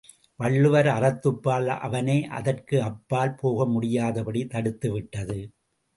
வள்ளுவர் அறத்துப்பால் அவனை அதற்கு அப்பால் போக முடியாதபடி தடுத்துவிட்டது.